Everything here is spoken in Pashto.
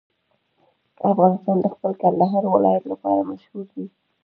افغانستان د خپل کندهار ولایت لپاره مشهور دی.